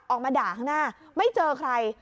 ออกมาด่าข้างหน้าไม่เจอใคร